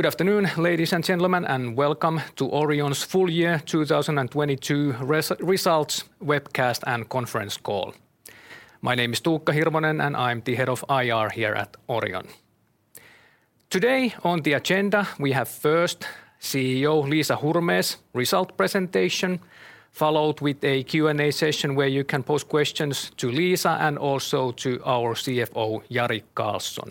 Good afternoon, ladies and gentlemen, welcome to Orion's full year 2022 results webcast and conference call. My name is Tuukka Hirvonen, and I'm the Head of IR here at Orion. Today on the agenda, we have first CEO Liisa Hurme's result presentation, followed with a Q&A session where you can pose questions to Liisa and also to our CFO, Jari Karlson.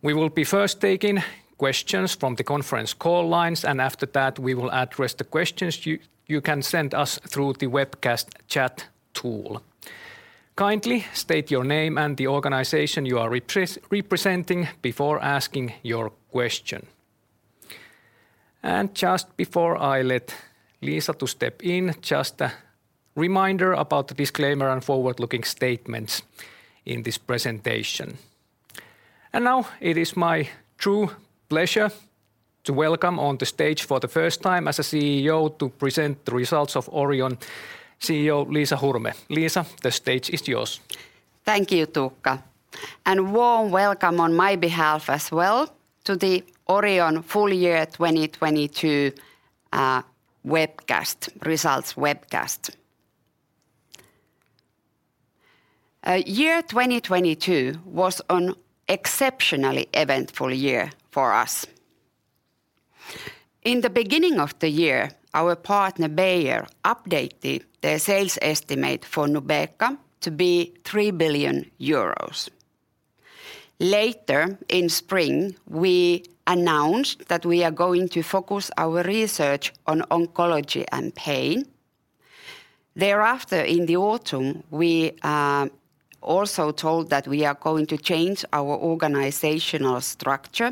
We will be first taking questions from the conference call lines, after that, we will address the questions you can send us through the webcast chat tool. Kindly state your name and the organization you are representing before asking your question. Just before I let Liisa to step in, just a reminder about the disclaimer and forward-looking statements in this presentation. Now it is my true pleasure to welcome on the stage for the first time as a CEO to present the results of Orion, CEO Liisa Hurme. Liisa, the stage is yours. Thank you, Tuukka. Warm welcome on my behalf as well to the Orion full year 2022 webcast, results webcast. Year 2022 was an exceptionally eventful year for us. In the beginning of the year, our partner Bayer updated their sales estimate for Nubeqa to be 3 billion euros. Later in spring, we announced that we are going to focus our research on oncology and pain. In the autumn, we also told that we are going to change our organizational structure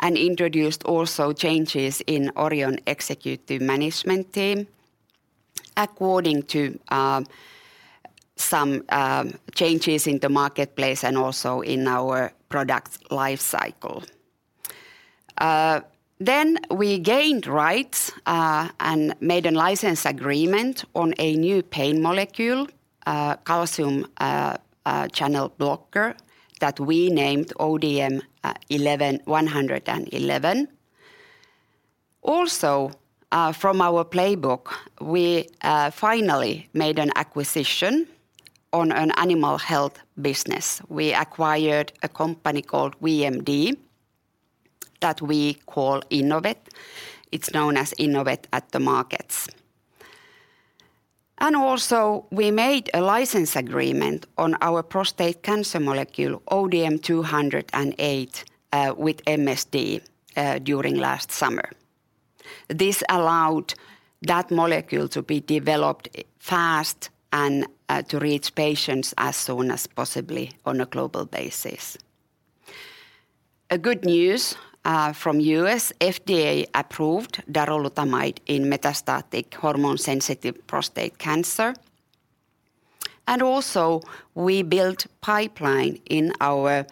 and introduced also changes in Orion executive management team according to some changes in the marketplace and also in our product life cycle. Then we gained rights and made a license agreement on a new pain molecule, a calcium channel blocker that we named ODM-111. From our playbook, we finally made an acquisition on an animal health business. We acquired a company called VMD that we call Inovet. It's known as Inovet at the markets. We made a license agreement on our prostate cancer molecule, ODM-208, with MSD during last summer. This allowed that molecule to be developed fast and to reach patients as soon as possibly on a global basis. A good news from US FDA approved darolutamide in metastatic hormone-sensitive prostate cancer. We built pipeline in our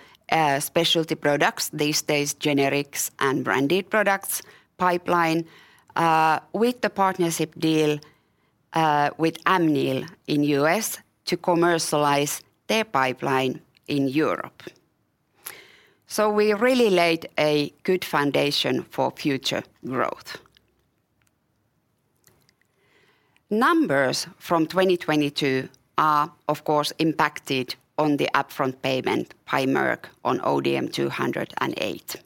specialty products, these days generics and branded products pipeline, with the partnership deal with Amneal in U.S. to commercialize their pipeline in Europe. We really laid a good foundation for future growth. Numbers from 2022 are of course impacted on the upfront payment by Merck on ODM-208.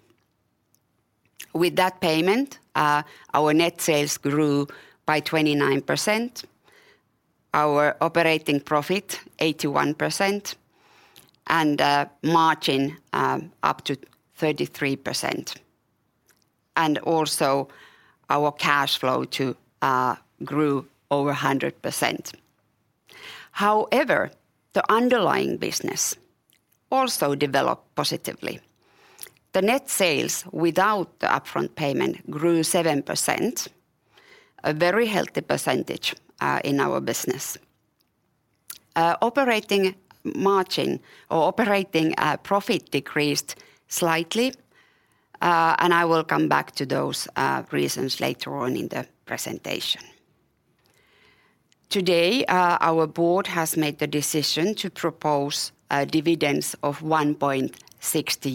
With that payment, our net sales grew by 29%, our operating profit 81%, and margin up to 33%, and also our cash flow to grew over 100%. However, the underlying business also developed positively. The net sales without the upfront payment grew 7%, a very healthy percentage in our business. Operating margin or operating profit decreased slightly, and I will come back to those reasons later on in the presentation. Today, our board has made the decision to propose dividends of 1.60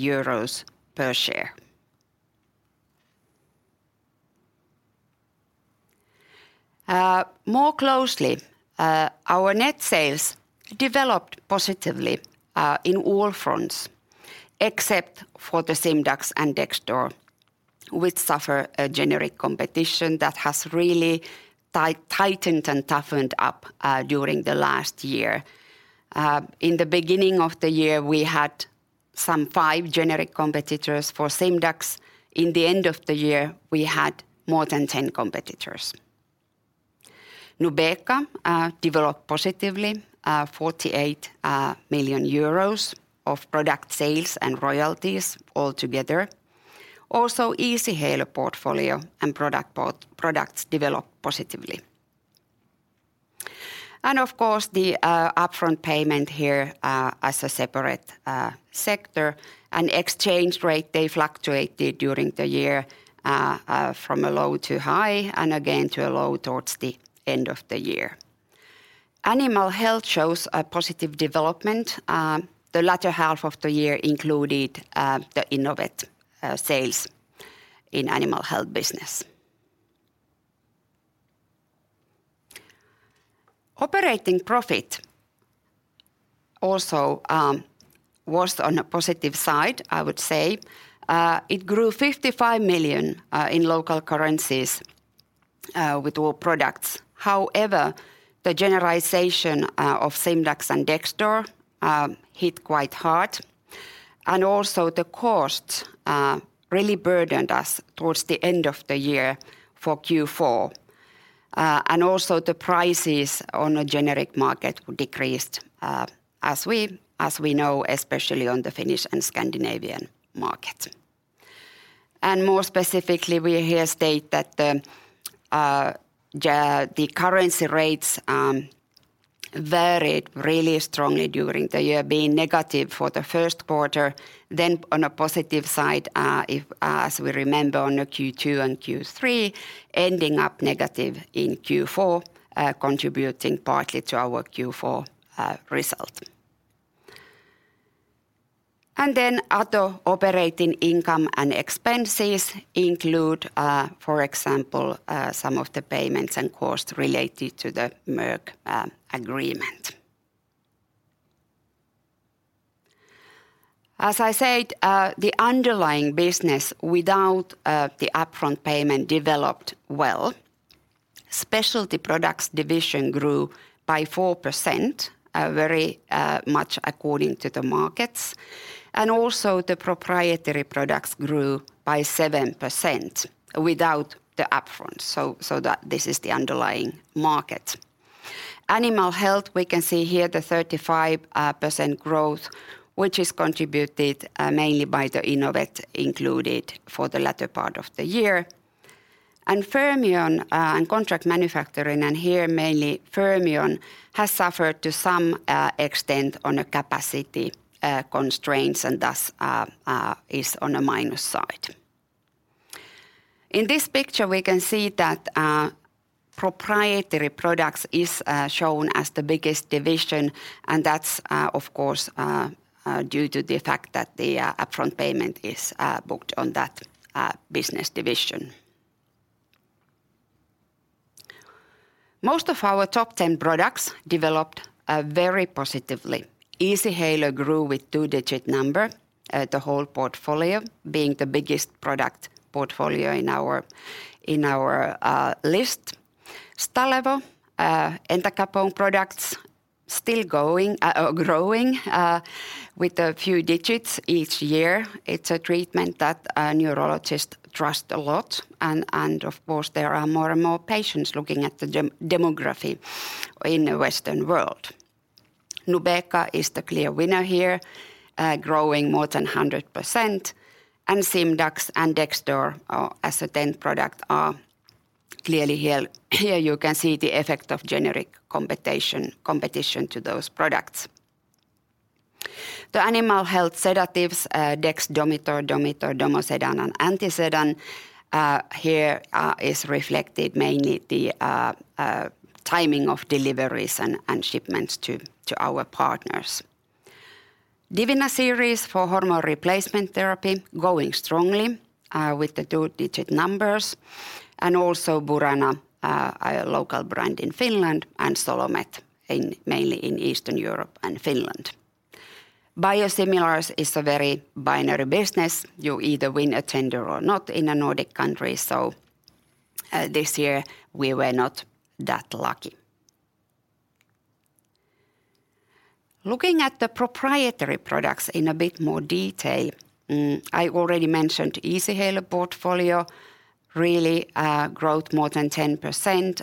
euros per share. More closely, our net sales developed positively, in all fronts, except for the Simdax and Dexdor, which suffer a generic competition that has really tightened and toughened up during the last year. In the beginning of the year, we had some five generic competitors for Simdax. In the end of the year, we had more than 10 competitors. Nubeqa developed positively, 48 million euros of product sales and royalties altogether. Easyhaler portfolio and products developed positively. Of course, the upfront payment here, as a separate sector. Exchange rate, they fluctuated during the year, from a low to high and again to a low towards the end of the year. Animal health shows a positive development. The latter half of the year included the Inovet sales in animal health business. Operating profit also was on a positive side, I would say. It grew 55 million in local currencies with all products. However, the generalization of Simdax and Dexdor hit quite hard, and also the cost really burdened us towards the end of the year for Q4. Also the prices on a generic market decreased as we know especially on the Finnish and Scandinavian market. More specifically, we here state that the currency rates varied really strongly during the year, being negative for the first quarter, then on a positive side, if as we remember on the Q2 and Q3, ending up negative in Q4, contributing partly to our Q4 result. Other operating income and expenses include, for example, some of the payments and cost related to the Merck agreement. As I said, the underlying business without the upfront payment developed well. Specialty Products division grew by 4%, very much according to the markets. The proprietary products grew by 7% without the upfront. This is the underlying market. Animal health, we can see here the 35% growth, which is contributed mainly by the Inovet included for the latter part of the year. Fermion, and contract manufacturing, and here mainly Fermion has suffered to some extent on a capacity constraints and thus is on a minus side. In this picture we can see that proprietary products is shown as the biggest division, and that's of course due to the fact that the upfront payment is booked on that business division. Most of our top 10 products developed very positively. Easyhaler grew with two-digit number, the whole portfolio being the biggest product portfolio in our list. Stalevo, entacapone products still growing with a few digits each year. It's a treatment that neurologists trust a lot and of course there are more and more patients looking at the demography in the Western world. Nubeqa is the clear winner here, growing more than 100%, and Simdax and Dexdor as a 10th product are clearly here. Here you can see the effect of generic competition to those products. The Animal Health sedatives, Dexdomitor, Domitor, Domosedan, and Antisedan, here is reflected mainly the timing of deliveries and shipments to our partners. Divina series for hormone replacement therapy going strongly with the two-digit numbers. Burana, a local brand in Finland, and Solomet mainly in Eastern Europe and Finland. biosimilars is a very binary business. You either win a tender or not in a Nordic country. This year we were not that lucky. Looking at the proprietary products in a bit more detail, I already mentioned Easyhaler portfolio really, growth more than 10%.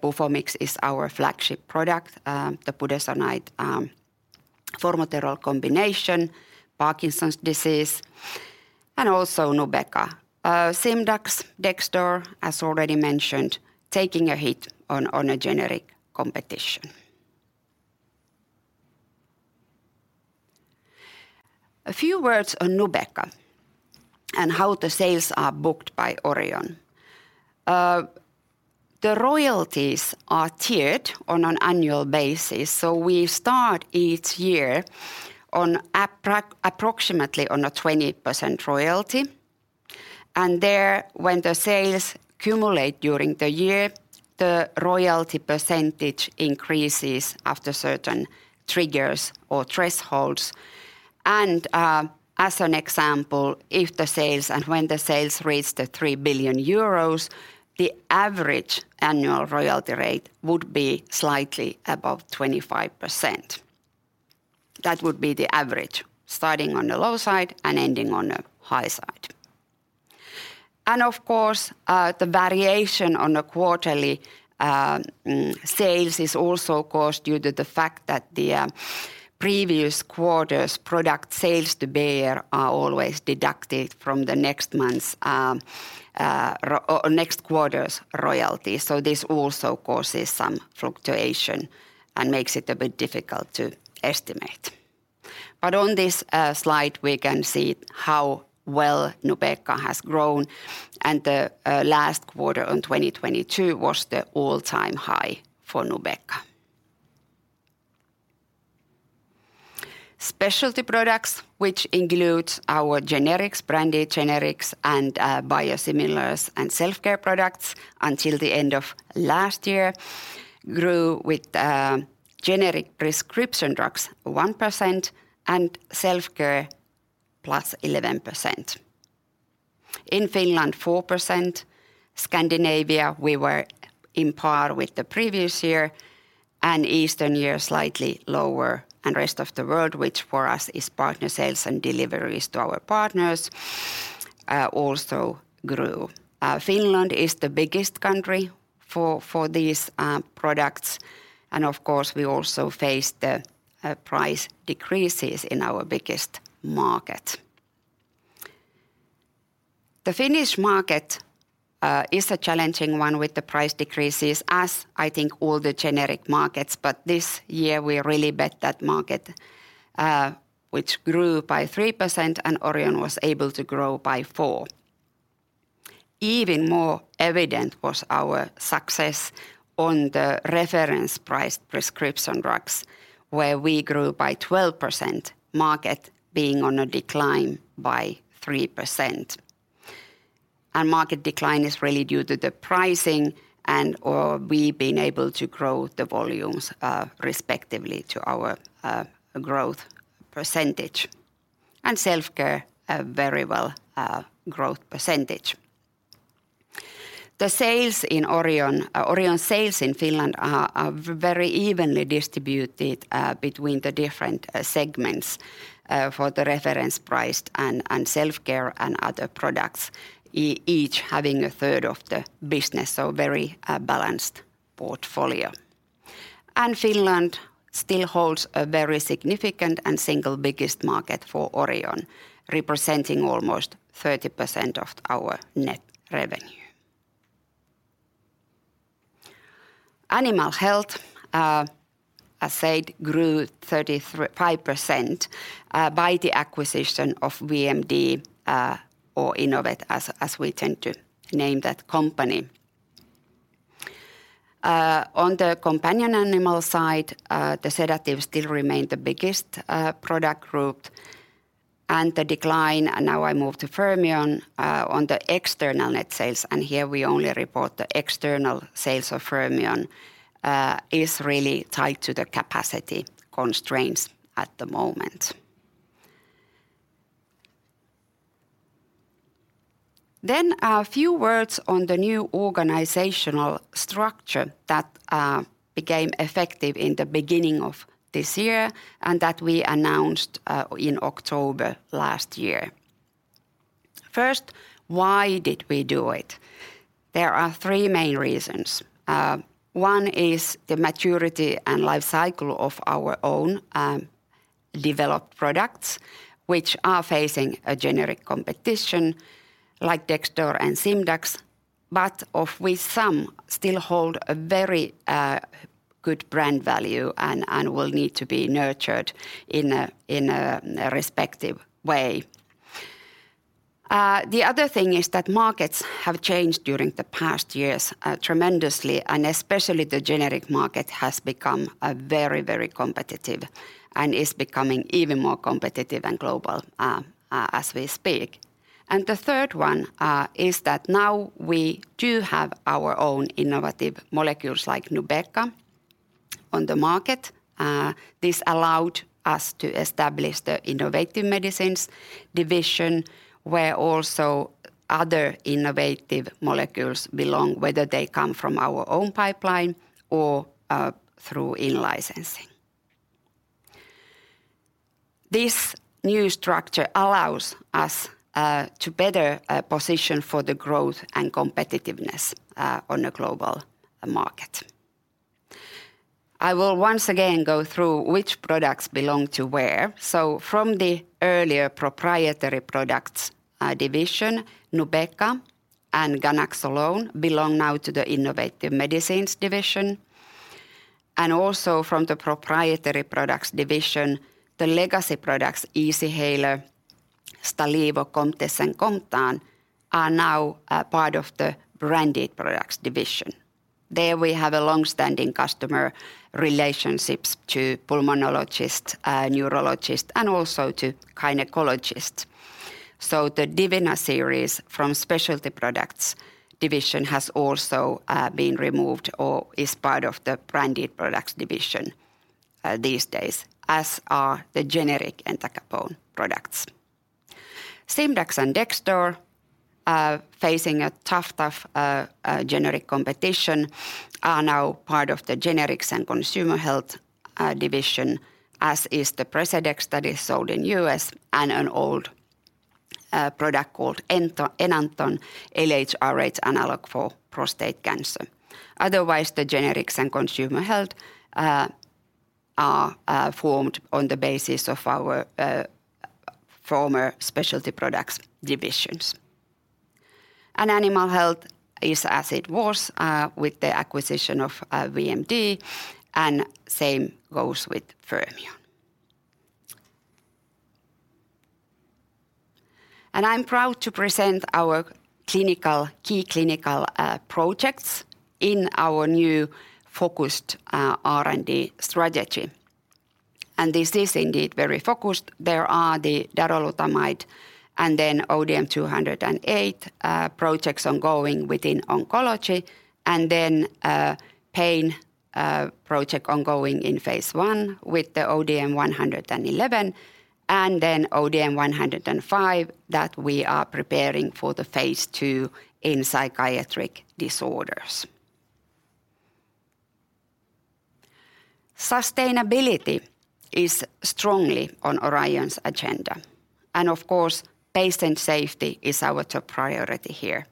Bufomix is our flagship product, the budesonide formoterol combination, Parkinson's disease, and Nubeqa. Simdax, Dexdor, as already mentioned, taking a hit on a generic competition. A few words on Nubeqa and how the sales are booked by Orion. The royalties are tiered on an annual basis, so we start each year on approximately on a 20% royalty, and there when the sales accumulate during the year, the royalty percentage increases after certain triggers or thresholds. As an example, if the sales and when the sales reach 3 billion euros, the average annual royalty rate would be slightly above 25%. That would be the average, starting on the low side and ending on the high side. The variation on the quarterly sales is also caused due to the fact that the previous quarter's product sales to Bayer are always deducted from the next month's or next quarter's royalty. This also causes some fluctuation and makes it a bit difficult to estimate. On this slide, we can see how well Nubeqa has grown, and the last quarter on 2022 was the all-time high for Nubeqa. Specialty products, which includes our generics, branded generics, and biosimilars and self-care products until the end of last year, grew with generic prescription drugs 1% and self-care plus 11%. In Finland, 4%, Scandinavia, we were in par with the previous year, and Eastern year slightly lower, and rest of the world, which for us is partner sales and deliveries to our partners, also grew. Finland is the biggest country for these products, and of course, we also face the price decreases in our biggest market. The Finnish market is a challenging one with the price decreases as, I think, all the generic markets. this year we really bet that market, which grew by 3%, and Orion was able to grow by 4%. Even more evident was our success on the reference priced prescription drugs, where we grew by 12%, market being on a decline by 3%. market decline is really due to the pricing and/or we being able to grow the volumes, respectively to our growth percentage. self-care, a very well, growth percentage. Orion sales in Finland are very evenly distributed between the different segments for the reference priced and self-care and other products each having 1/3 of the business, so very balanced portfolio. Finland still holds a very significant and single biggest market for Orion, representing almost 30% of our net revenue. Animal Health, as said, grew 35% by the acquisition of VMD, or Inovet as we tend to name that company. On the companion animal side, the sedatives still remain the biggest product group and the decline. Now I move to Fermion, on the external net sales, and here we only report the external sales of Fermion, is really tied to the capacity constraints at the moment. A few words on the new organizational structure that became effective in the beginning of this year and that we announced in October last year. First, why did we do it? There are three main reasons. One is the maturity and life cycle of our own developed products, which are facing a generic competition like Dexdor and Simdax, but of which some still hold a very good brand value and will need to be nurtured in a respective way. The other thing is that markets have changed during the past years tremendously, and especially the generic market has become very, very competitive and is becoming even more competitive and global as we speak. The third one is that now we do have our own innovative molecules like Nubeqa on the market. This allowed us to establish the innovative medicines division, where also other innovative molecules belong, whether they come from our own pipeline or through in-licensing. This new structure allows us to better position for the growth and competitiveness on a global market. I will once again go through which products belong to where. From the earlier Proprietary Products Division, Nubeqa and ganaxolone belong now to the Innovative Medicines Division. Also from the Proprietary Products Division, the legacy products Easyhaler, Stalevo, Comtess, and Comtan are now a part of the Branded Products Division. There we have a long-standing customer relationships to pulmonologists, neurologists, and also to gynecologists. The Divina series from Specialty Products Division has also been removed or is part of the Branded Products Division these days, as are the generic entacapone products. Simdax and Dexdor, facing a tough generic competition are now part of the Generics and Consumer Health division, as is the Precedex that is sold in US and an old product called Enanton, LHRH analog for prostate cancer. Otherwise, the Generics and Consumer Health are formed on the basis of our former specialty products divisions. Animal Health is as it was with the acquisition of VMD, and same goes with Fermion. I'm proud to present our clinical, key clinical projects in our new focused R&D strategy. This is indeed very focused. There are the darolutamide and ODM-208 projects ongoing within oncology, then a pain project ongoing in phase I with the ODM-111, then ODM-105 that we are preparing for the phase II in psychiatric disorders. Sustainability is strongly on Orion's agenda, and of course, patient safety is our top priority here.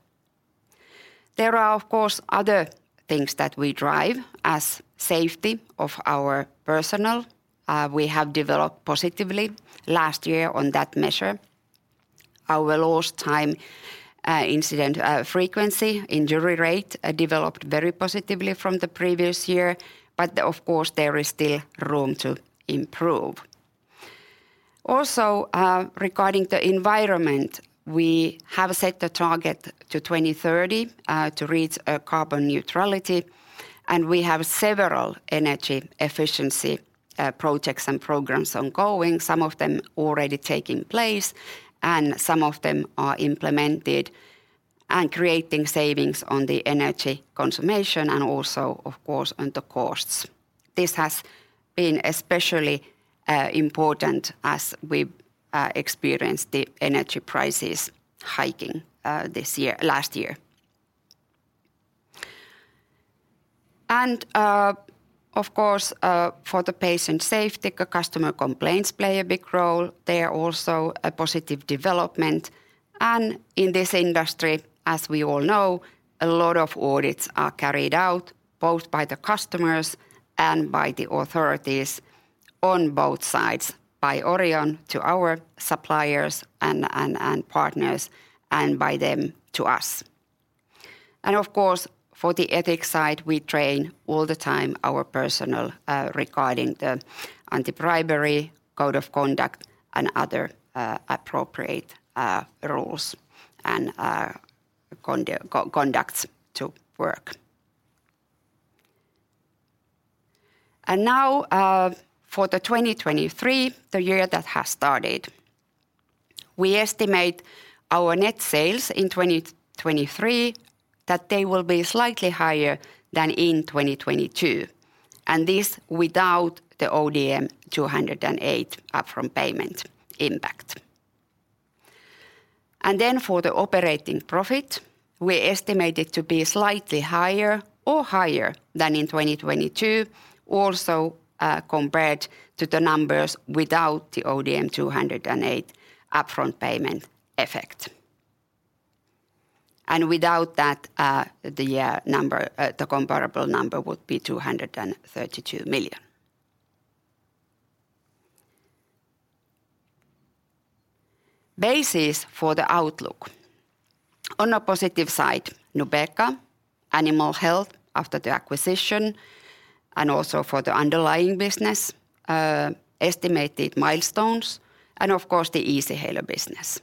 There are, of course, other things that we drive, as safety of our personnel. We have developed positively last year on that measure. Our lost time incident frequency, injury rate developed very positively from the previous year, but of course, there is still room to improve. Also, regarding the environment, we have set a target to 2030 to reach carbon neutrality, and we have several energy efficiency projects and programs ongoing, some of them already taking place, and some of them are implemented and creating savings on the energy consumption and also, of course, on the costs. This has been especially important as we've experienced the energy prices hiking last year. Of course, for the patient safety, customer complaints play a big role. They are also a positive development. In this industry, as we all know, a lot of audits are carried out, both by the customers and by the authorities on both sides, by Orion to our suppliers and partners, and by them to us. Of course, for the ethics side, we train all the time our personnel regarding the anti-bribery code of conduct and other appropriate rules and conducts to work. Now, for 2023, the year that has started, we estimate our net sales in 2023 that they will be slightly higher than in 2022, and this without the ODM-208 upfront payment impact. Then for the operating profit, we estimate it to be slightly higher or higher than in 2022, also, compared to the numbers without the ODM-208 upfront payment effect. Without that, the number, the comparable number would be 232 million. Bases for the outlook. On a positive side, Nubeqa, Animal Health after the acquisition, and also for the underlying business, estimated milestones, and of course, the Easyhaler business.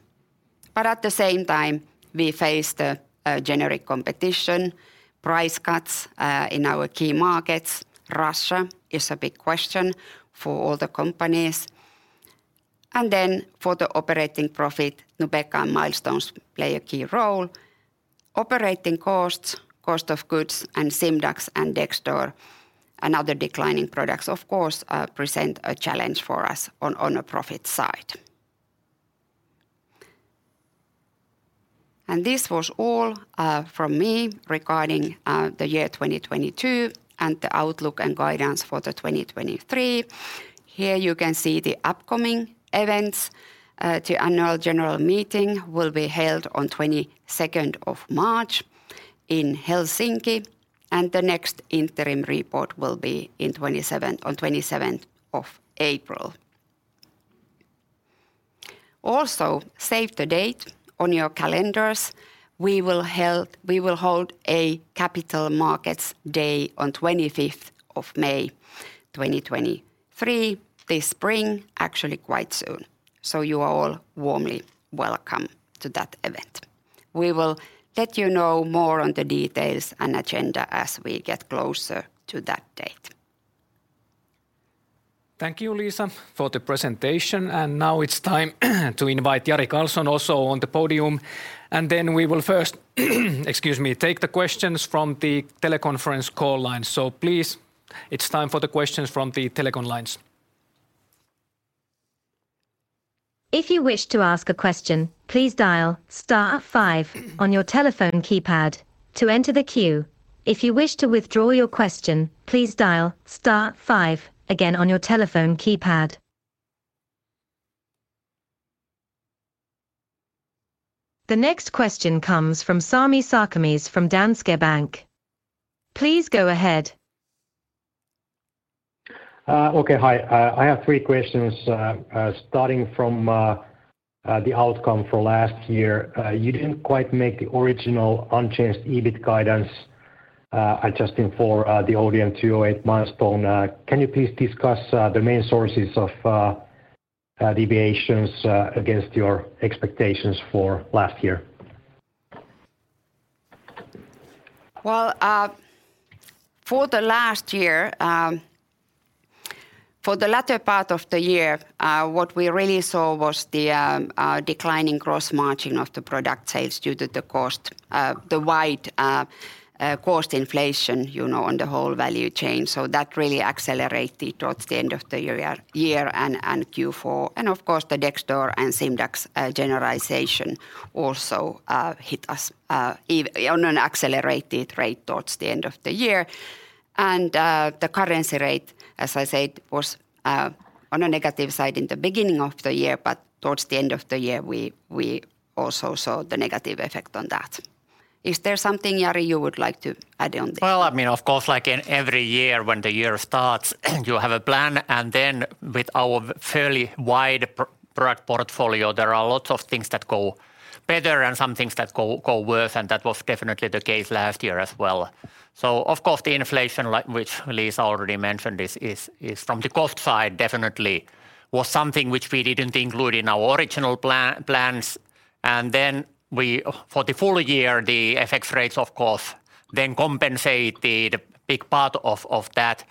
At the same time, we face the generic competition, price cuts in our key markets. Russia is a big question for all the companies. Then for the operating profit, Nubeqa milestones play a key role. Operating costs, cost of goods, and Simdax and Dexdor and other declining products of course, present a challenge for us on a profit side. This was all from me regarding the year 2022 and the outlook and guidance for 2023. Here you can see the upcoming events. The annual general meeting will be held on 22nd of March in Helsinki, and the next interim report will be on 27th of April. Also, save the date on your calendars. We will hold a capital markets day on 25th of May 2023, this spring, actually quite soon. You are all warmly welcome to that event. We will let you know more on the details and agenda as we get closer to that date. Thank you, Liisa, for the presentation. Now it's time to invite Jari Karlson also on the podium. We will first, excuse me, take the questions from the teleconference call line. Please, it's time for the questions from the telecon lines. If you wish to ask a question, please dial star five on your telephone keypad to enter the queue. If you wish to withdraw your question, please dial star five again on your telephone keypad. The next question comes from Sami Sarkamies from Danske Bank. Please go ahead. hree questions. Starting from the outcome for last year, you didn't quite make the original unchanged EBIT guidance, adjusting for the ODM-208 milestone. Can you please discuss the main sources of deviations against your expectations for last year Well, for the last year, for the latter part of the year, what we really saw was the declining gross margin of the product sales due to the cost, the wide, cost inflation, you know, on the whole value chain. That really accelerated towards the end of the year and Q4. Of course, the Dexdor and Simdax generalization also hit us on an accelerated rate towards the end of the year. The currency rate, as I said, was on a negative side in the beginning of the year, but towards the end of the year, we also saw the negative effect on that. Is there something, Jari, you would like to add on this? Well, I mean, of course, like in every year when the year starts, you have a plan. With our fairly wide product portfolio, there are lots of things that go better and some things that go worse, and that was definitely the case last year as well. Of course, the inflation like which Liisa already mentioned is from the cost side definitely was something which we didn't include in our original plans. We, for the full year, the FX rates of course then compensated a big part of that.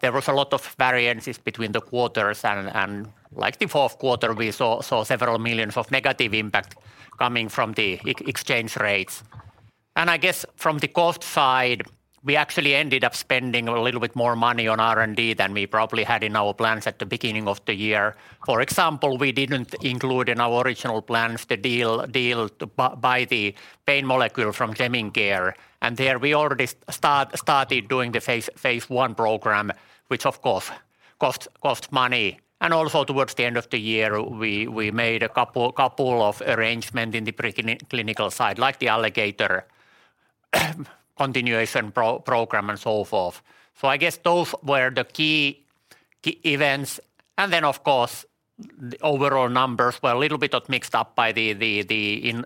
There was a lot of variances between the quarters and like the fourth quarter, we saw several million of negative impact coming from the exchange rates. I guess from the cost side, we actually ended up spending a little bit more money on R&D than we probably had in our plans at the beginning of the year. For example, we didn't include in our original plans the deal to buy the pain molecule from Jemincare. There we already started doing the phase I program, which of course costs money. Also towards the end of the year, we made a couple of arrangement in the preclinical side, like the Alligator continuation program and so forth. I guess those were the key events. Then of course, the overall numbers were a little bit of mixed up by the in...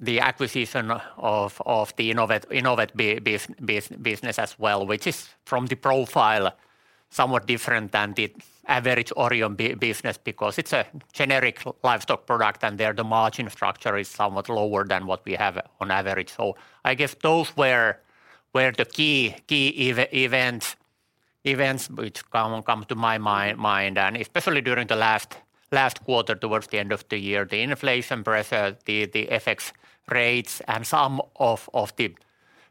The acquisition of the Inovet business as well, which is from the profile somewhat different than the average Orion business because it's a generic livestock product. There the margin structure is somewhat lower than what we have on average. I guess those were the key events which comes to my mind, especially during the last quarter towards the end of the year, the inflation pressure, the FX rates and some of the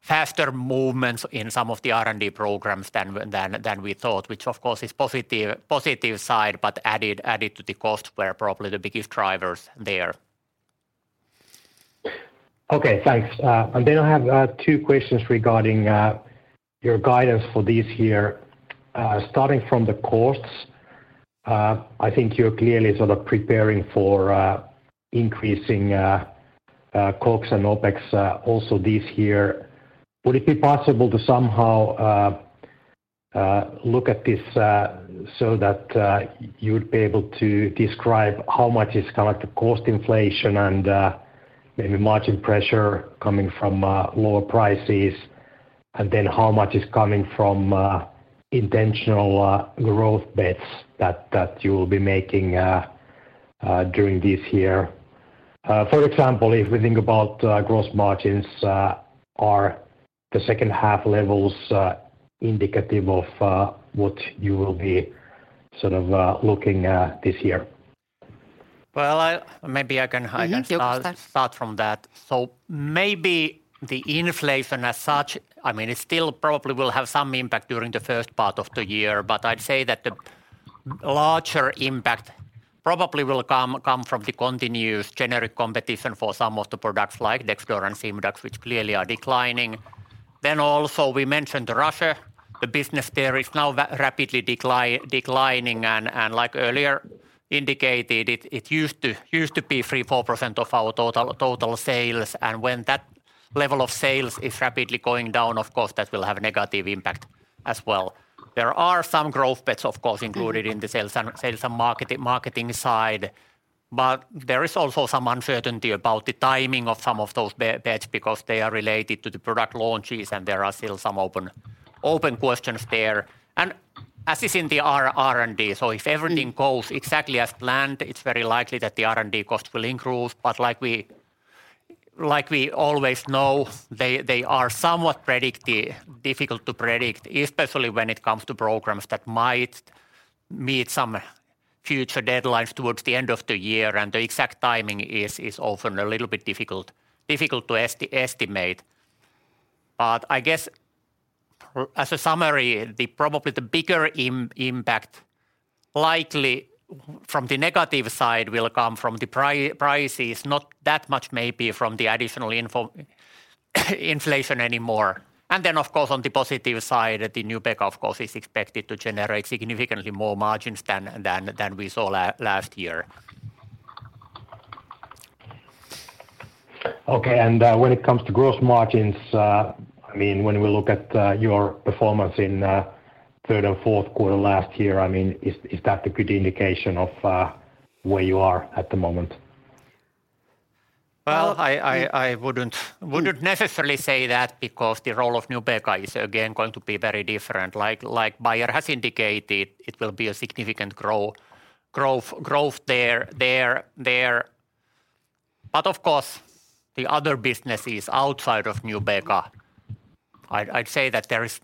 faster movements in some of the R&D programs than we thought, which of course is positive side, but added to the cost were probably the biggest drivers there. Okay. Thanks. Then I have two questions regarding your guidance for this year. Starting from the costs, I think you're clearly sort of preparing for increasing COGS and OPEX also this year. Would it be possible to somehow look at this so that you would be able to describe how much is kind of the cost inflation and maybe margin pressure coming from lower prices, and then how much is coming from intentional growth bets that you will be making during this year? For example, if we think about gross margins, are the second half levels indicative of what you will be sort of looking this year? Well, maybe. You can start. I can start from that. Maybe the inflation as such, I mean, it still probably will have some impact during the first part of the year, but I'd say that the larger impact probably will come from the continuous generic competition for some of the products like Dexdor and Simdax, which clearly are declining. Also we mentioned Russia, the business there is now rapidly declining and like earlier indicated, it used to be 3%, 4% of our total sales. When that level of sales is rapidly going down, of course, that will have negative impact as well. There are some growth bets, of course, included in the sales and marketing side, but there is also some uncertainty about the timing of some of those bets because they are related to the product launches, and there are still some open questions there. As is in the R&D, so if everything goes exactly as planned, it's very likely that the R&D cost will increase. Like we always know, they are somewhat difficult to predict, especially when it comes to programs that might meet some future deadlines towards the end of the year, and the exact timing is often a little bit difficult to estimate. I guess as a summary, the probably the bigger impact likely from the negative side will come from the prices, not that much maybe from the additional inflation anymore. Of course, on the positive side, the Nubeqa of course is expected to generate significantly more margins than we saw last year. Okay, when it comes to gross margins, I mean, when we look at your performance in third and fourth quarter last year, I mean, is that a good indication of where you are at the moment? Well, I wouldn't necessarily say that because the role of Nubeqa is again going to be very different. Like Bayer has indicated, it will be a significant growth there. Of course, the other businesses outside of Nubeqa, I'd say that there is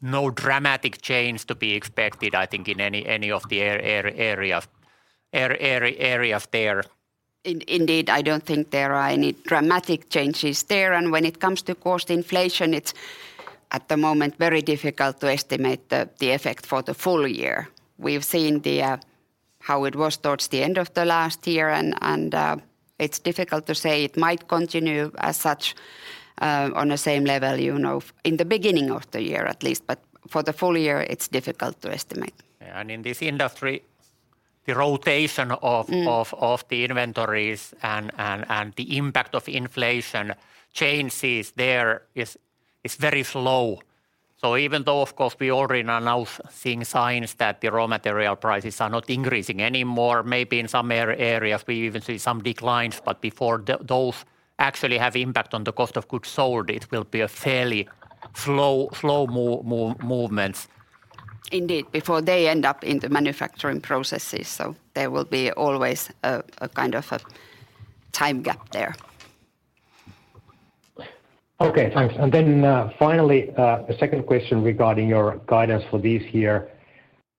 no dramatic change to be expected I think in any of the areas there. Indeed, I don't think there are any dramatic changes there. When it comes to cost inflation, it's at the moment very difficult to estimate the effect for the full year. We've seen how it was towards the end of the last year and it's difficult to say it might continue as such on the same level, you know, in the beginning of the year at least. For the full year, it's difficult to estimate. Yeah. In this industry, the rotation of. Mm. of the inventories and the impact of inflation changes there is very slow. Even though of course we already now seeing signs that the raw material prices are not increasing anymore, maybe in some areas we even see some declines, but before those actually have impact on the cost of goods sold, it will be a fairly slow movements. Indeed, before they end up in the manufacturing processes. There will be always a kind of a time gap there. Okay, thanks. Finally, a second question regarding your guidance for this year.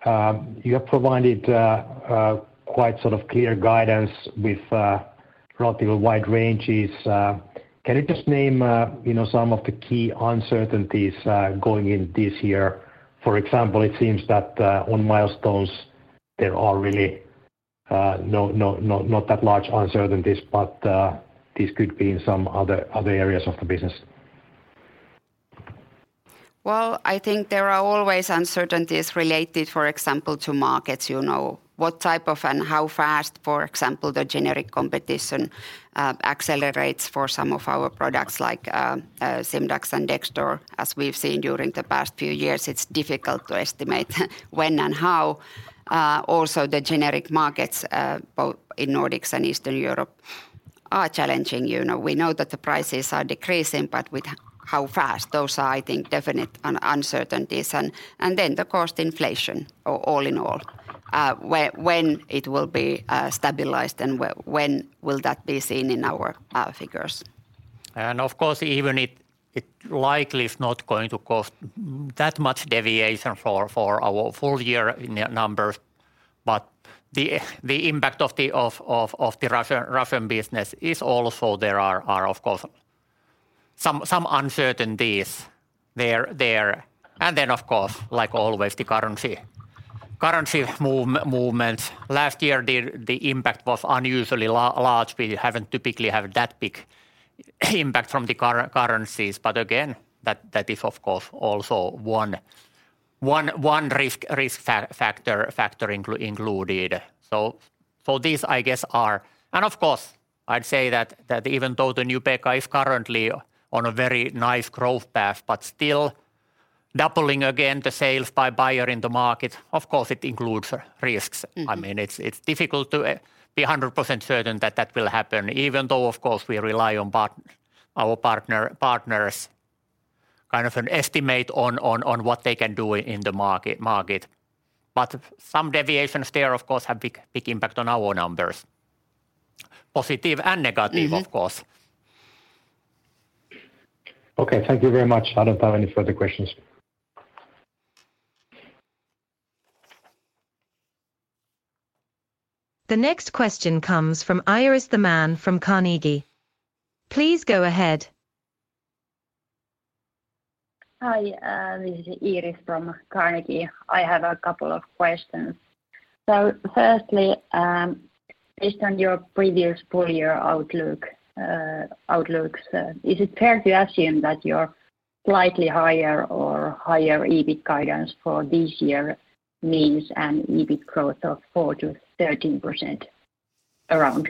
You have provided quite sort of clear guidance with relative wide ranges. Can you just name, you know, some of the key uncertainties going in this year? For example, it seems that on milestones there are really not that large uncertainties, but this could be in some other areas of the business. Well, I think there are always uncertainties related, for example, to markets, you know. What type of, and how fast, for example, the generic competition accelerates for some of our products like Simdax and Dexdor. As we've seen during the past few years, it's difficult to estimate when and how. Also the generic markets, both in Nordics and Eastern Europe are challenging. You know, we know that the prices are decreasing, but how fast? Those are, I think, definite uncertainties. And then the cost inflation all in all. When it will be stabilized and when will that be seen in our figures. Of course, even it likely is not going to cause that much deviation for our full year numbers, but the impact of the Russian business is also there are of course some uncertainties there. Then of course, like always, the currency movements. Last year, the impact was unusually large. We haven't typically have that big impact from the currencies. But again, that is of course also one risk factor included. These I guess are. Of course, I'd say that even though Nubeqa is currently on a very nice growth path, but still doubling again the sales by Bayer in the market, of course it includes risks. Mm-hmm. I mean, it's difficult to be 100% certain that will happen, even though of course we rely on our partners kind of an estimate on what they can do in the market. Some deviations there of course have big impact on our numbers, positive and negative- Mm-hmm of course. Okay. Thank you very much. I don't have any further questions. The next question comes from Iris de Man from Carnegie. Please go ahead. Hi, this is Iris from Carnegie. I have a couple of questions. Firstly, based on your previous full year outlook, outlooks, is it fair to assume that your slightly higher or higher EBIT guidance for this year means an EBIT growth of 4%-13% around?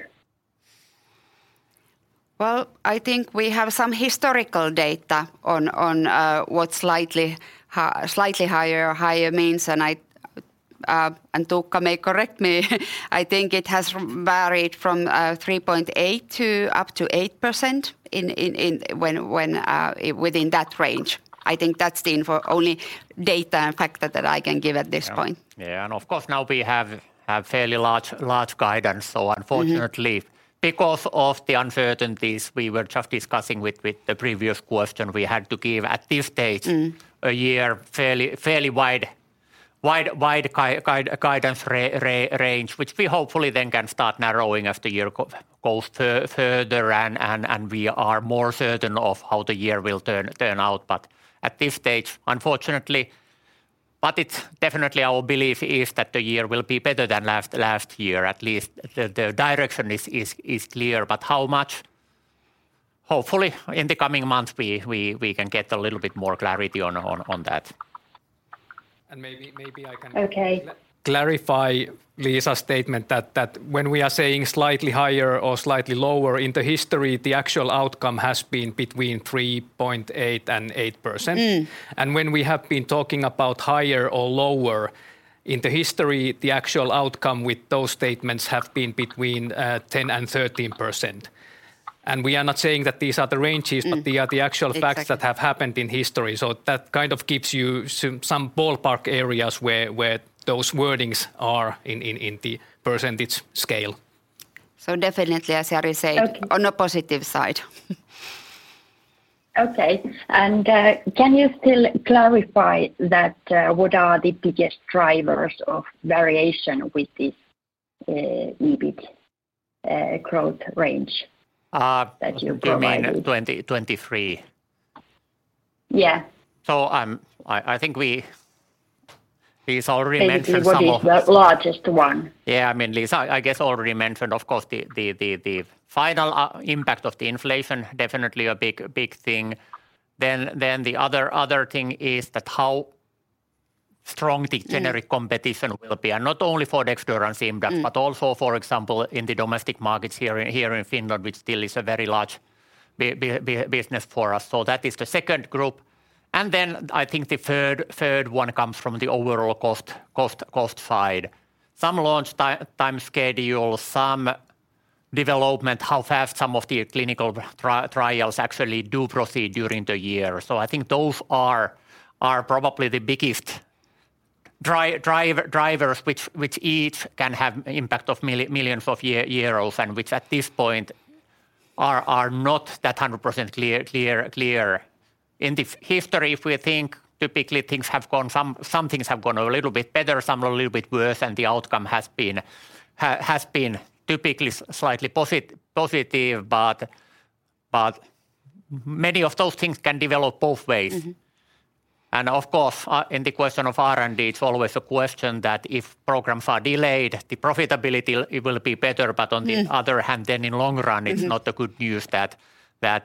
Well, I think we have some historical data on what slightly higher or higher means, and Tuukka may correct me, I think it has varied from 3.8 to up to 8% in, when, within that range. I think that's the info, only data factor that I can give at this point. Yeah, and of course, now we have fairly large guidance. unfortunately- Mm-hmm. because of the uncertainties we were just discussing with the previous question, we had to give at this stage. Mm a year fairly wide guidance range, which we hopefully then can start narrowing as the year goes further and we are more certain of how the year will turn out. At this stage, unfortunately. It's definitely our belief is that the year will be better than last year, at least. The direction is clear, but how much? Hopefully, in the coming months, we can get a little bit more clarity on that. Maybe I can- Okay clarify Liisa's statement that when we are saying slightly higher or slightly lower, in the history, the actual outcome has been between 3.8% and 8%. Mm. When we have been talking about higher or lower, in the history, the actual outcome with those statements have been between, 10 and 13%. We are not saying that these are the ranges- Mm They are the actual facts. Exactly that have happened in history. That kind of gives you some ballpark areas where those wordings are in the percentage scale. Definitely, as Jari said. Okay on a positive side. Okay. Can you still clarify that what are the biggest drivers of variation with this EBIT growth range that you provided? In 2023? Yeah. Liisa already mentioned some of. Basically, what is the largest one? Yeah. I mean, Liisa, I guess already mentioned, of course, the final impact of the inflation, definitely a big thing. Then the other thing is that how strong the- Mm generic competition will be, and not only for Dexdor and Simdax- Mm also, for example, in the domestic markets here in Finland, which still is a very large business for us. That is the second group. Then I think the third one comes from the overall cost side. Some launch time schedule, some development, how fast some of the clinical trials actually do proceed during the year. I think those are probably the biggest drivers which each can have impact of millions of EUR and which at this point are not that 100% clear. In the history, if we think typically things have gone, some things have gone a little bit better, some a little bit worse, and the outcome has been typically slightly positive. Many of those things can develop both ways. Mm-hmm. Of course, in the question of R&D, it's always a question that if programs are delayed, the profitability will be better. On the. Mm other hand then in long run. Mm-hmm it's not a good news that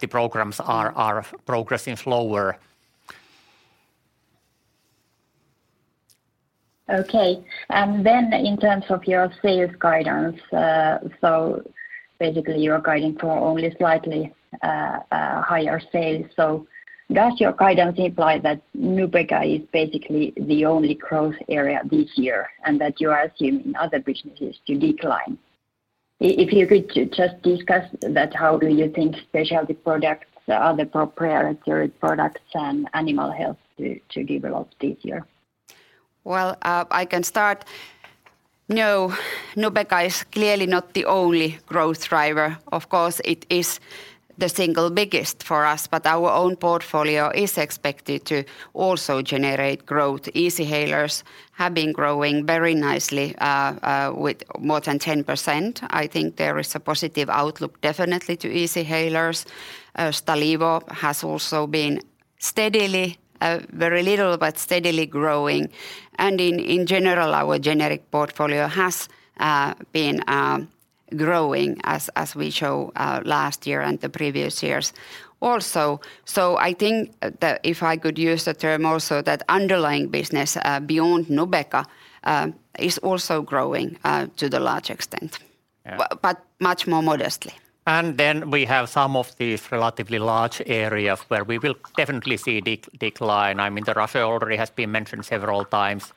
the programs are... Mm are progressing slower. Okay. In terms of your sales guidance, so basically you're guiding for only slightly higher sales. Does your guidance imply that Nubeqa is basically the only growth area this year and that you are assuming other businesses to decline? If you could just discuss that, how do you think specialty products, other proprietary products and animal health to develop this year? Well, I can start. Nubeqa is clearly not the only growth driver. Of course, it is the single biggest for us, but our own portfolio is expected to also generate growth. Easyhalers have been growing very nicely with more than 10%. I think there is a positive outlook definitely to Easyhalers. Stalevo has also been steadily, very little, but steadily growing. In general, our generic portfolio has been growing as we show last year and the previous years also. I think that if I could use the term also that underlying business beyond Nubeqa is also growing to the large extent. Yeah. Much more modestly. We have some of these relatively large areas where we will definitely see decline. I mean, Russia already has been mentioned several times,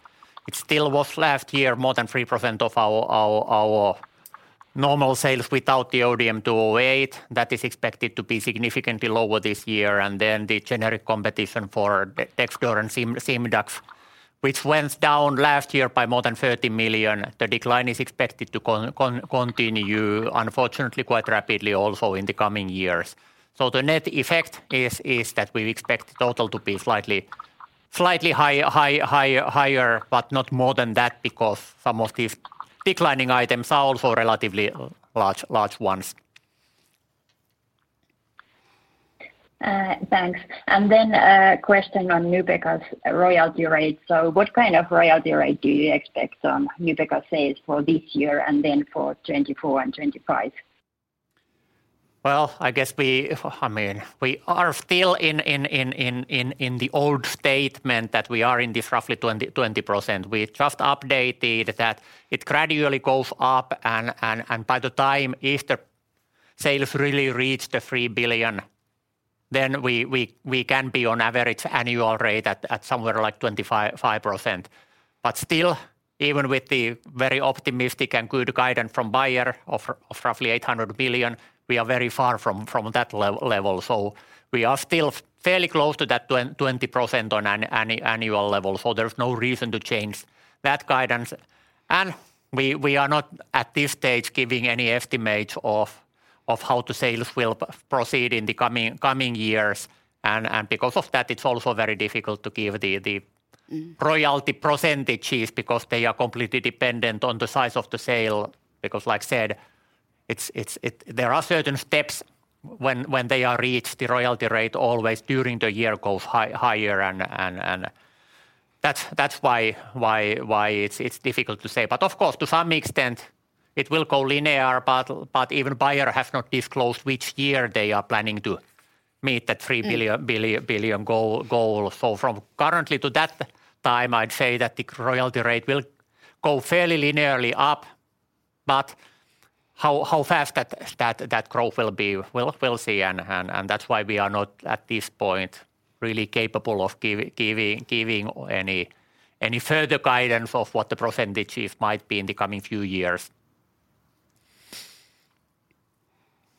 which still was last year more than 3% of our normal sales without the ODM-208. That is expected to be significantly lower this year. The generic competition for Dexdor and Simdax, which went down last year by more than 30 million. The decline is expected to continue, unfortunately quite rapidly also in the coming years. The net effect is that we expect total to be slightly higher, but not more than that because some of these declining items are also relatively large ones. Thanks. A question on Nubeqa's royalty rate. What kind of royalty rate do you expect on Nubeqa sales for this year and then for 2024 and 2025? I guess I mean, we are still in the old statement that we are in this roughly 20%. We just updated that it gradually goes up and by the time if the sales really reach 3 billion, then we can be on average annual rate at somewhere like 25%. Still, even with the very optimistic and good guidance from Bayer of roughly 800 billion, we are very far from that level. We are still fairly close to that 20% on an annual level. There's no reason to change that guidance. We are not at this stage giving any estimates of how the sales will proceed in the coming years. Because of that, it's also very difficult to give the royalty percentages because they are completely dependent on the size of the sale. Like I said, it's there are certain steps when they are reached, the royalty rate always during the year goes higher, and that's why it's difficult to say. Of course, to some extent it will go linear, but even Bayer has not disclosed which year they are planning to meet the 3 billion goal. From currently to that time, I'd say that the royalty rate will go fairly linearly up. How fast that growth will be, we'll see, and that's why we are not at this point really capable of giving any further guidance of what the percentages might be in the coming few years.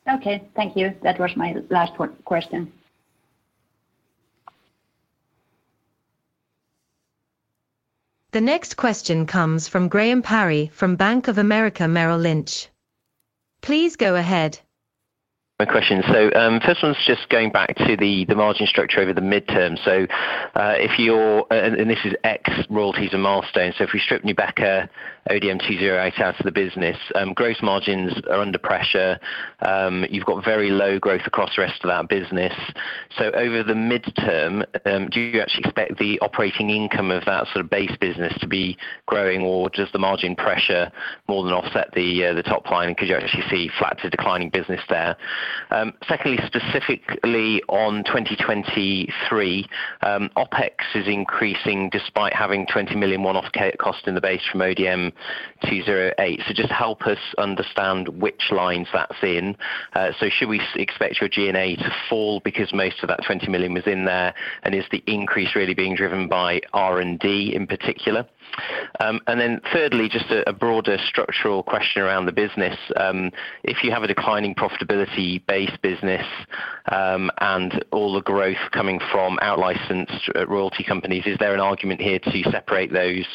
Okay, thank you. That was my last one... question. The next question comes from Graham Parry from Bank of America Merrill Lynch. Please go ahead. My question, first one's just going back to the margin structure over the midterm. If your and this is ex-royalties and milestones, if we strip Nubeqa ODM-208 out of the business, growth margins are under pressure, you've got very low growth across the rest of that business. Over the midterm, do you actually expect the operating income of that sort of base business to be growing? Or does the margin pressure more than offset the top line because you actually see flat to declining business there? Secondly, specifically on 2023, OpEx is increasing despite having 20 million one-off cost in the base from ODM-208. Just help us understand which lines that's in. Should we expect your G&A to fall because most of that 20 million was in there, and is the increase really being driven by R&D in particular? Thirdly, just a broader structural question around the business. If you have a declining profitability base business, and all the growth coming from out licensed royalty companies, is there an argument here to separate those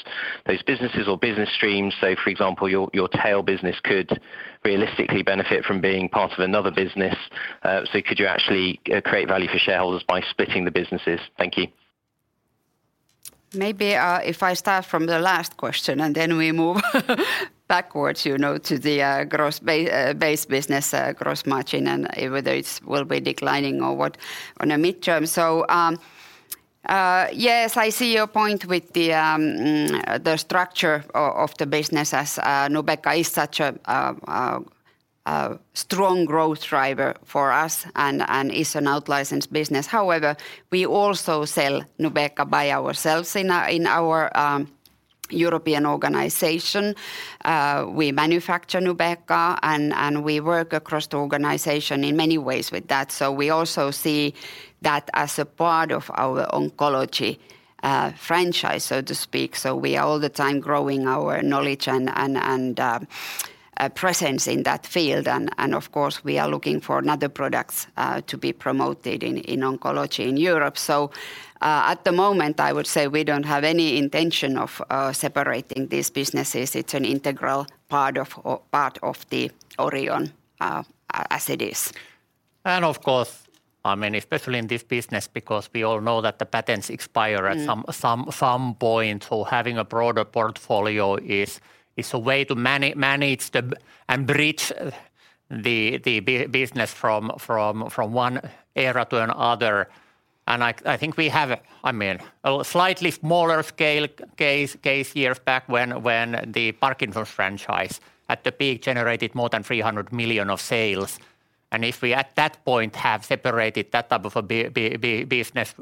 businesses or business streams? For example, your tail business could realistically benefit from being part of another business, so could you actually create value for shareholders by splitting the businesses? Thank you. Maybe, if I start from the last question, and then we move backwards, you know, to the gross base business gross margin, and whether it's will be declining or what on a midterm. Yes, I see your point with the structure of the business as Nubeqa is such a strong growth driver for us and is an out licensed business. However, we also sell Nubeqa by ourselves in our, in our European organization. We manufacture Nubeqa, and we work across the organization in many ways with that. We also see that as a part of our oncology franchise, so to speak. We are all the time growing our knowledge and presence in that field. Of course, we are looking for another products to be promoted in oncology in Europe. At the moment, I would say we don't have any intention of separating these businesses. It's an integral part of the Orion as it is. Of course, I mean, especially in this business because we all know that the patents expire. Mm. At some point, so having a broader portfolio is a way to manage the, and bridge the business from one era to another. I think we have, I mean, a slightly smaller scale case years back when the Parkinson's franchise at the peak generated more than 300 million of sales. If we, at that point, have separated that type of a business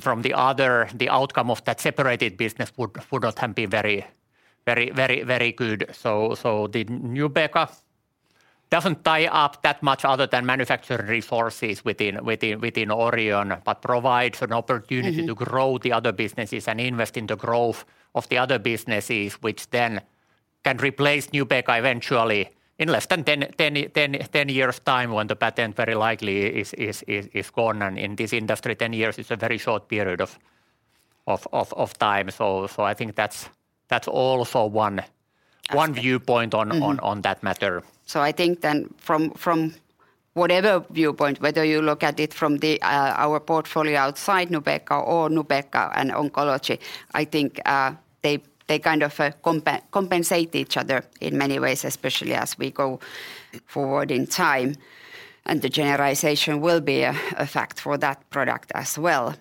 from the other, the outcome of that separated business would not have been very good. The Nubeqa doesn't tie up that much other than manufacture resources within Orion but provides an opportunity. Mm-hmm. To grow the other businesses and invest in the growth of the other businesses, which then can replace Nubeqa eventually in less than 10 years' time when the patent very likely is gone. In this industry, 10 years is a very short period of time. I think that's also one- Aspect. One viewpoint on- Mm-hmm. On that matter. I think then from whatever viewpoint, whether you look at it from the, our portfolio outside Nubeqa or Nubeqa and oncology, I think, they kind of compensate each other in many ways, especially as we go forward in time, and the generalization will be a fact for that product as well.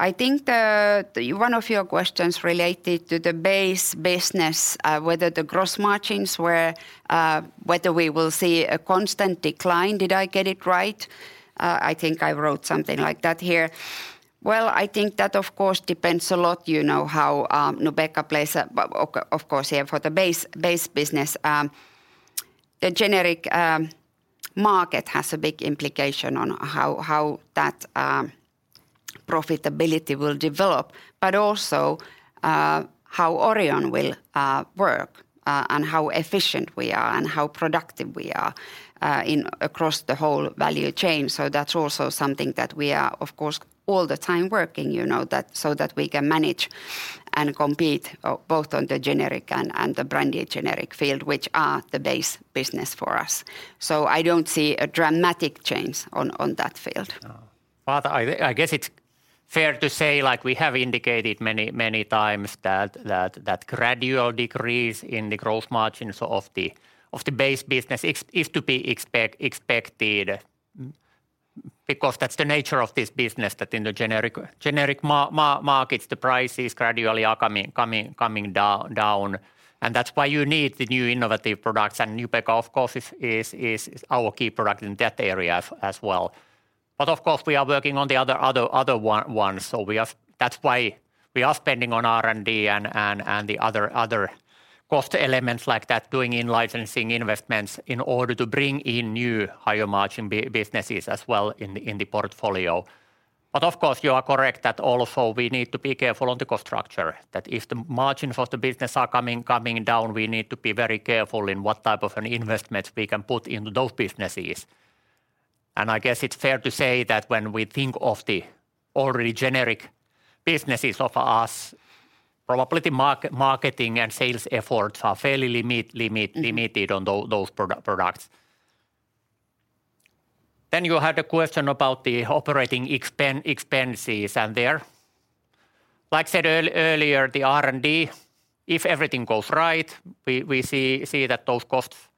I think the, one of your questions related to the base business, whether the gross margins were, whether we will see a constant decline. Did I get it right? I think I wrote something like that here. I think that, of course, depends a lot, you know, how Nubeqa plays a, of course, here for the base business. The generic market has a big implication on how that profitability will develop but also how Orion will work and how efficient we are and how productive we are in across the whole value chain. That's also something that we are, of course, all the time working, you know, that so that we can manage and compete both on the generic and the branded generic field, which are the base business for us. I don't see a dramatic change on that field. I guess it's fair to say, like we have indicated many times that gradual decrease in the growth margins of the base business is to be expected because that's the nature of this business that in the generic markets, the prices gradually are coming down, and that's why you need the new innovative products. Nubeqa, of course, is our key product in that area as well. Of course, we are working on the other ones. That's why we are spending on R&D and the other cost elements like that, doing in-licensing investments in order to bring in new higher margin businesses as well in the portfolio. Of course, you are correct that also we need to be careful on the cost structure, that if the margin for the business are coming down, we need to be very careful in what type of an investment we can put in those businesses. I guess it's fair to say that when we think of the already generic businesses of us, probably marketing and sales efforts are fairly limit. Mm-hmm ...limited on those products. You had a question about the operating expenses, and there. Like I said earlier, the R&D, if everything goes right, we see that those costs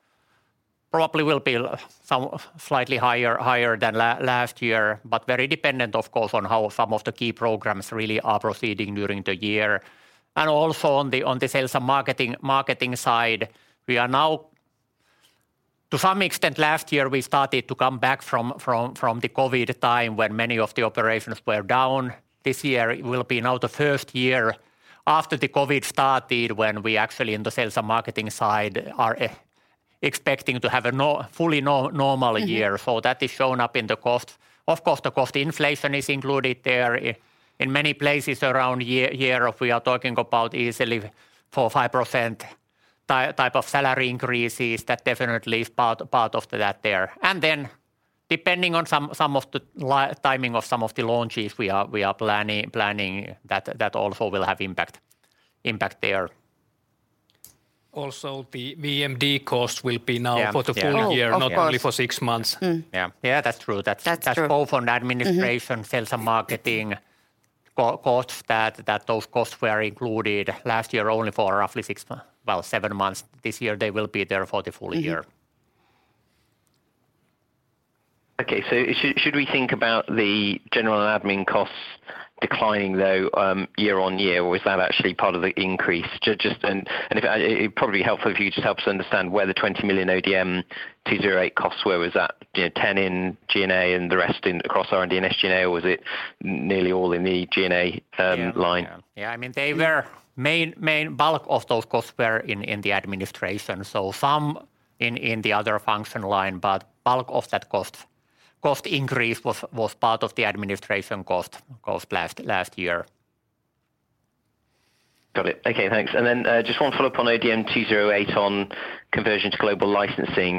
probably will be some slightly higher than last year, but very dependent of course, on how some of the key programs really are proceeding during the year. Also on the, on the sales and marketing side, we are now... To some extent last year, we started to come back from the COVID time when many of the operations were down. This year it will be now the first year after the COVID started, when we actually in the sales and marketing side are expecting to have a fully normal year. Mm-hmm. That is shown up in the cost. Of course, the cost inflation is included there in many places around year of we are talking about easily 4%, 5% type of salary increases. That definitely is part of that there. Depending on some of the timing of some of the launches we are planning, that also will have impact there. Also, the VMD cost will be now. Yeah. Yeah. For the full year. Oh, of course. not only for six months. Mm. Yeah, that's true. That's true. ...that's both on administration- Mm-hmm ...sales and marketing co-costs that those costs were included last year only for roughly six months, well, seven months. This year they will be there for the full year. Mm-hmm. Okay. Should we think about the general admin costs declining though, year-over-year? Or is that actually part of the increase? Just and it'd probably helpful if you just help us understand where the 20 million ODM-208 cost were. Was that, you know, 10 in G&A and the rest in across R&D and SG&A or was it nearly all in the G&A line? Yeah. Yeah. I mean, they were main bulk of those costs were in the administration. Some in the other function line, bulk of that cost increase was part of the administration cost last year. Got it. Okay, thanks. Just one follow-up on ODM-208 on conversion to global licensing.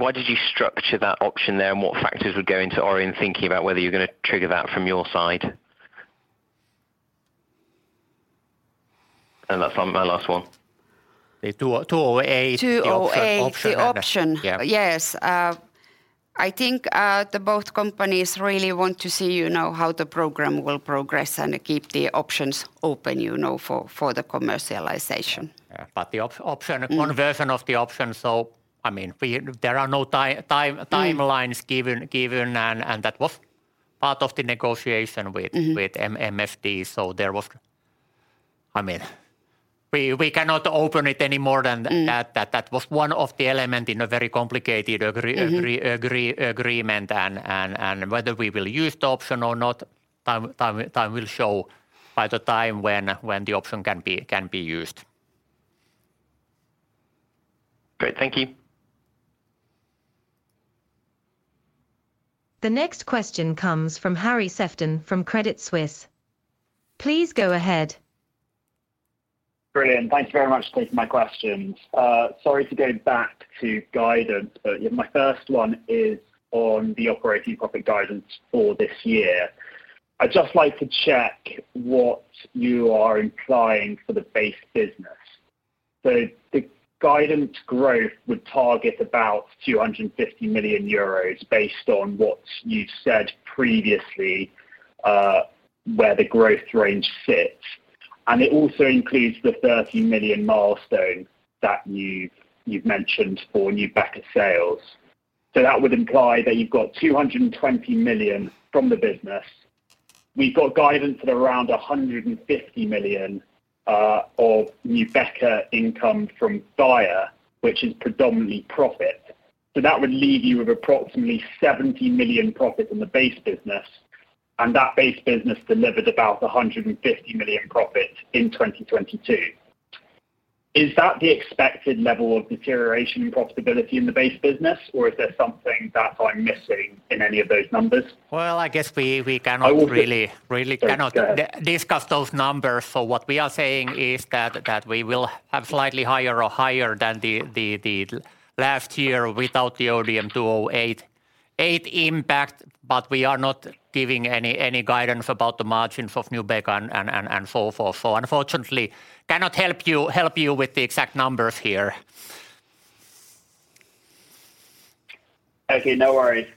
Why did you structure that option there, and what factors would go into Orion thinking about whether you're gonna trigger that from your side? That's my last one. The 20, 208- Two-oh-eight ...the option. The option. Yeah. Yes. I think, the both companies really want to see, you know, how the program will progress and keep the options open, you know, for the commercialization. Yeah. The option, conversion of the option, I mean, there are no timelines given, and that was part of the negotiation. Mm-hmm with VMD. There was... I mean, we cannot open it any more than that. Mm. That was one of the element in a very complicated agreement, and whether we will use the option or not, time will show by the time when the option can be used. Great. Thank you. The next question comes from Harry Sefton from Credit Suisse. Please go ahead. Brilliant. Thank you very much for taking my questions. Sorry to go back to guidance, my first one is on the operating profit guidance for this year. I'd just like to check what you are implying for the base business. The guidance growth would target about 250 million euros based on what you've said previously, where the growth range sits. It also includes the 30 million milestone that you've mentioned for Nubeqa sales. That would imply that you've got 220 million from the business. We've got guidance at around 150 million of Nubeqa income from Bayer, which is predominantly profit. That would leave you with approximately 70 million profit in the base business, and that base business delivered about 150 million profit in 2022. Is that the expected level of deterioration in profitability in the base business, or is there something that I'm missing in any of those numbers? Well, I guess we cannot. I would- really cannot- Sorry discuss those numbers. What we are saying is that we will have slightly higher or higher than the last year without the ODM-208 impact, but we are not giving any guidance about the margins of Nubeqa and so forth. Unfortunately cannot help you with the exact numbers here. Okay, no worries.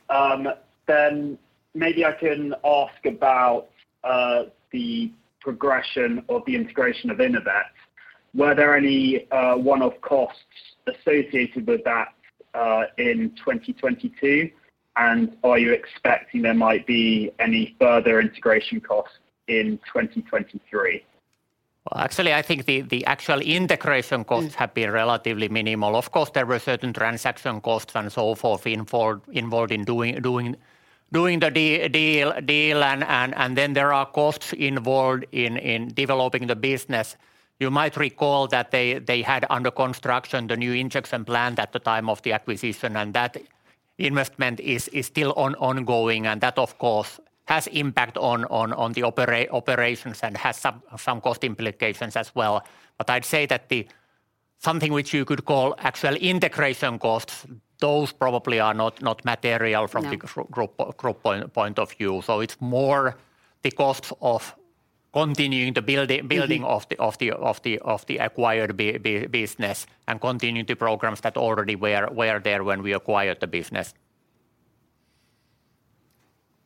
Maybe I can ask about the progression of the integration of Inovet. Were there any one-off costs associated with that in 2022? Are you expecting there might be any further integration costs in 2023? Actually, I think the actual integration costs have been relatively minimal. Of course, there were certain transaction costs and so forth involved in doing the deal, and then there are costs involved in developing the business. You might recall that they had under construction the new injection plant at the time of the acquisition, and that investment is still ongoing. That, of course, has impact on the operations and has some cost implications as well. I'd say that the something which you could call actual integration costs, those probably are not material from the group point of view. No. It's more the costs of continuing the building. Mm-hmm of the acquired business and continuing the programs that already were there when we acquired the business.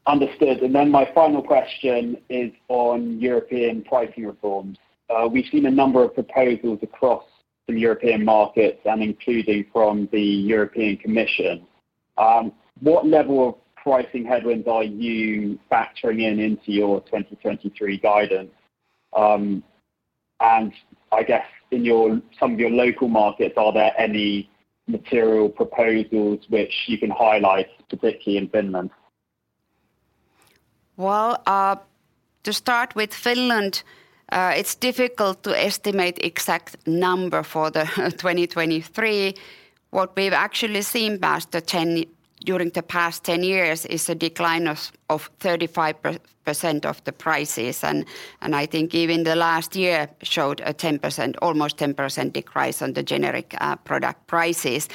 Understood. My final question is on European pricing reforms. We've seen a number of proposals across the European markets and including from the European Commission. What level of pricing headwinds are you factoring in into your 2023 guidance? I guess in your, some of your local markets, are there any material proposals which you can highlight, specifically in Finland? To start with Finland, it's difficult to estimate exact number for the 2023. What we've actually seen past the 10, during the past 10 years is a decline of 35% of the prices. I think even the last year showed a 10%, almost 10% decrease on the generic product prices.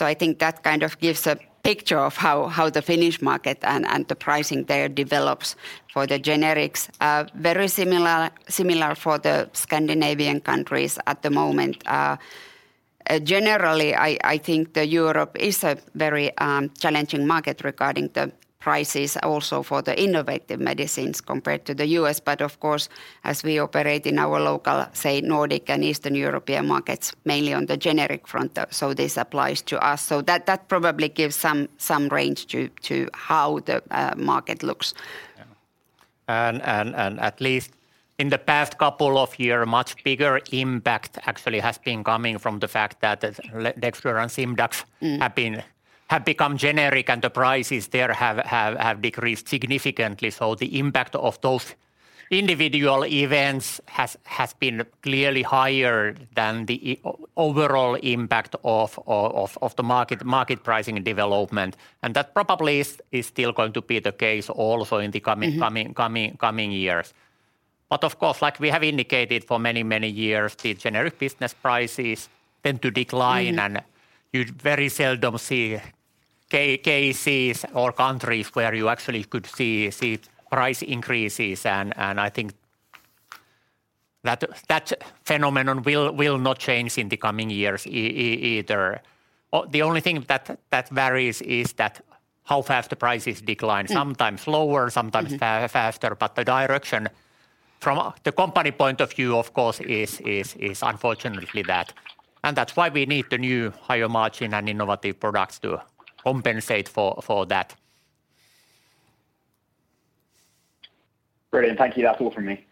I think that kind of gives a picture of how the Finnish market and the pricing there develops for the generics. Very similar for the Scandinavian countries at the moment. Generally, I think the Europe is a very challenging market regarding the prices also for the innovative medicines compared to the US. Of course, as we operate in our local, say, Nordic and Eastern European markets, mainly on the generic front, this applies to us. That probably gives some range to how the market looks. Yeah. And at least in the past couple of year, much bigger impact actually has been coming from the fact that the Lexaurin Simdax... Mm have been, have become generic, and the prices there have decreased significantly. The impact of those individual events has been clearly higher than the overall impact of the market pricing and development. That probably is still going to be the case also in the coming- Mm-hmm coming years. Of course, like we have indicated for many years, the generic business prices tend to decline. Mm-hmm and you very seldom see cases or countries where you actually could see price increases. I think that phenomenon will not change in the coming years either. The only thing that varies is that how fast the prices decline. Mm. Sometimes slower- Mm-hmm Sometimes faster, the direction from the company point of view, of course, is unfortunately that. That's why we need the new higher margin and innovative products to compensate for that. Brilliant. Thank you. That's all from me.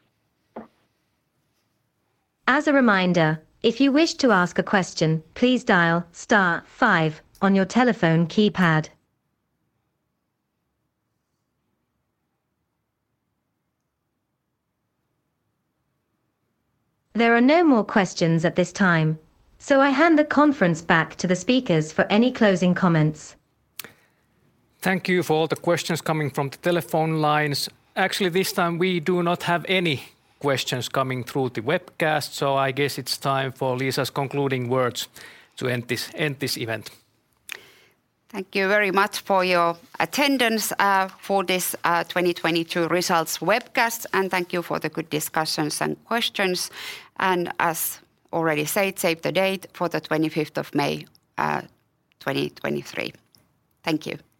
As a reminder, if you wish to ask a question, please dial star five on your telephone keypad. There are no more questions at this time. I hand the conference back to the speakers for any closing comments. Thank you for all the questions coming from the telephone lines. Actually, this time we do not have any questions coming through the webcast, so I guess it's time for Liisa's concluding words to end this event. Thank you very much for your attendance, for this, 2022 results webcast, and thank you for the good discussions and questions. As already said, save the date for the 25th of May, 2023. Thank you. Thank you.